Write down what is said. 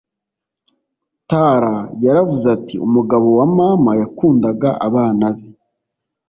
Tara yaravuze ati umugabo wa mama yakundaga abana be